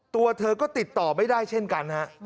ตัวเธอก็ติดต่อไม่ได้เช่นกันฮะ